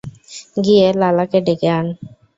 গিয়ে লালাকে ডেকে আন।